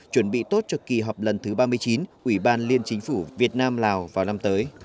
chuẩn bị tốt cho kỳ họp lần thứ ba mươi chín ủy ban liên chính phủ việt nam lào vào năm tới